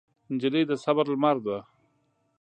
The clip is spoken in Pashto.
نجلۍ د صبر لمر ده.